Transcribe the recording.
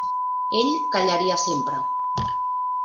Ell callaria sempre.